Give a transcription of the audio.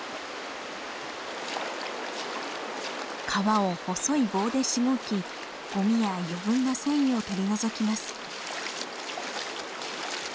皮を細い棒でしごきゴミや余分な繊維を取り除きます。